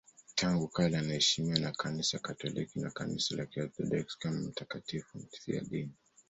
Tangu kale anaheshimiwa na Kanisa Katoliki na Kanisa la Kiorthodoksi kama mtakatifu mfiadini.